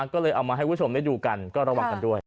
ก็เลยเอามาให้คุณผู้ชมได้ดูกันก็ระวังกันด้วย